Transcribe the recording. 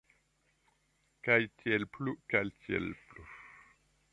Kaj tiel plu, kaj tiel plu.